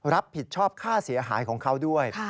รับผิดชอบค่าเสียหายของเขาด้วย